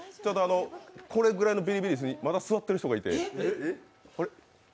これぐらいのビリビリ椅子にまだ座ってる人がいて、あれ？